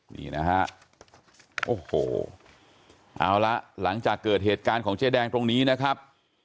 นี่นะฮะโอ้โหเอาละหลังจากเกิดเหตุการณ์ของเจ๊แดงตรงนี้นะครับ